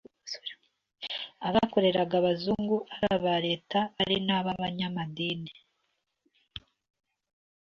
abakoreraga Abazungu ari aba Leta ari n'abanyamadini